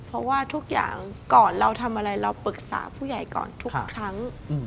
เพราะว่าทุกอย่างก่อนเราทำอะไรเราปรึกษาผู้ใหญ่ก่อนทุกครั้ง